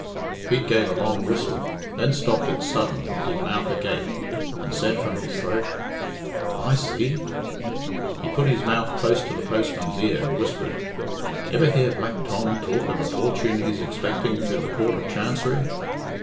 Pete gave a long whistle, then stopped it sudden with his mouth agape, and said from his throat, "I see." He put his mouth close to the postman's ear and whispered, "Ever hear Black Tom talk of the fortune he's expecting through the Coort of Chancery?"